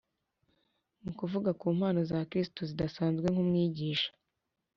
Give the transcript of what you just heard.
” Mu kuvuga ku mpano za Kristo zidasanzwe nk’umwigisha